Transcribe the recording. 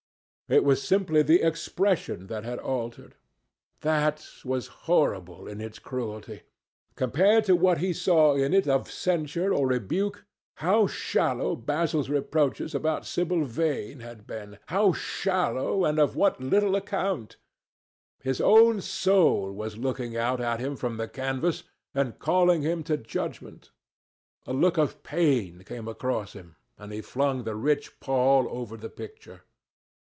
It was simply the expression that had altered. That was horrible in its cruelty. Compared to what he saw in it of censure or rebuke, how shallow Basil's reproaches about Sibyl Vane had been!—how shallow, and of what little account! His own soul was looking out at him from the canvas and calling him to judgement. A look of pain came across him, and he flung the rich pall over the picture.